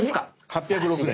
８０６年。